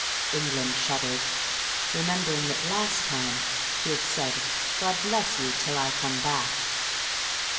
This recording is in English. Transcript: England shuddered, remembering that last time he had said, "God bless you till I come back."